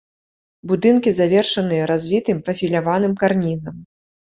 Будынкі завершаныя развітым прафіляваным карнізам.